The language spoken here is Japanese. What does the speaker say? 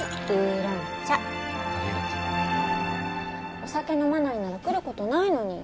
お酒飲まないなら来る事ないのに。